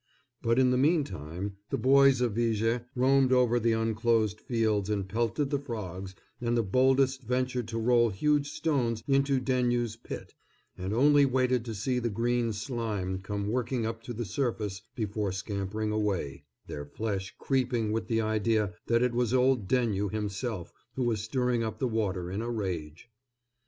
But in the meantime, the boys of Viger roamed over the unclosed fields and pelted the frogs, and the boldest ventured to roll huge stones into Daigneau's pit, and only waited to see the green slime come working up to the surface before scampering away, their flesh creeping with the idea that it was old Daigneau himself who was stirring up the water in a rage.